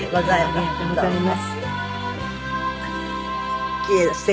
ありがとうございます。